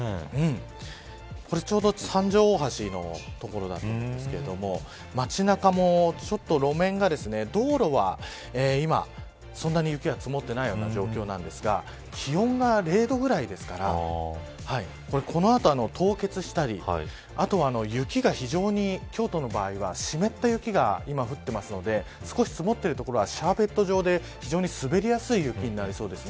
ちょうど、三条大橋の所なんですけれども街中も、ちょっと路面が道路は今そんなに雪は積もっていない状況なんですが気温が０度ぐらいですからこの後、凍結したりあとは雪が非常に、京都の場合は湿った雪が今、降っているので少し積もっている所はシャーベット状で、非常に滑りやすい雪になりそうです。